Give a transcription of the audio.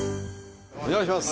お願いします。